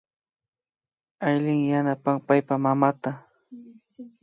Aylin yanapan paypa mamata